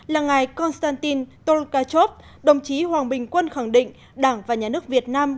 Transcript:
là ngài konstantin tolkachov đồng chí hoàng bình quân khẳng định đảng và nhà nước việt nam